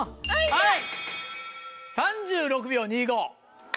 はい。